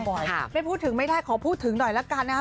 ไม่ได้พูดถึงขอพูดถึงหน่อยแล้วกันนะครับ